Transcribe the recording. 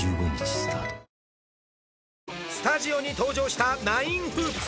スタジオに登場したナインフープス